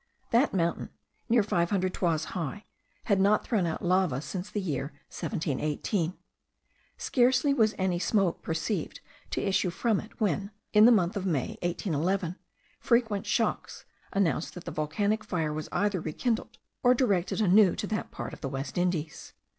That mountain, near five hundred toises high, had not thrown out lava since the year 1718. Scarcely was any smoke perceived to issue from it, when, in the month of May 1811, frequent shocks announced that the volcanic fire was either rekindled, or directed anew to that part of the West Indies.